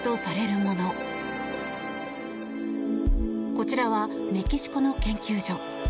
こちらはメキシコの研究所。